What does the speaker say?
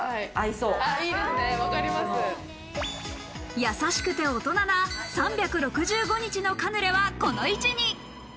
やさしくて大人な３６５日のカヌレはこの位置に。